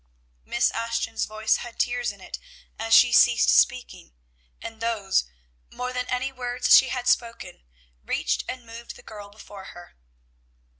Miss Ashton's voice had tears in it as she ceased speaking, and those, more than any words she had spoken, reached and moved the girl before her.